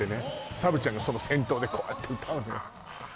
サブちゃんがその先頭でこうやって歌うのよ